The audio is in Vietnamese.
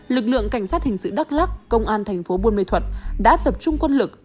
lực lượng cảnh sát hình sự đắk lắc công an thành phố buôn mê thuật đã tập trung quân lực